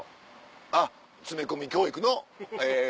あっ詰め込み教育のえっと。